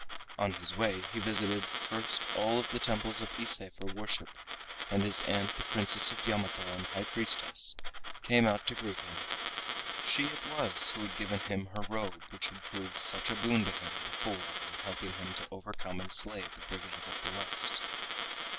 On his way he visited first of all the temples of Ise for worship, and his aunt the Princess of Yamato and High Priestess came out to greet him. She it was who had given him her robe which had proved such a boon to him before in helping him to overcome and slay the brigands of the West.